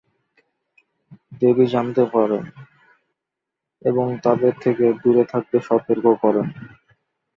দেবী জানতে পারেন এবং তাদের থেকে দূরে থাকতে সতর্ক করেন।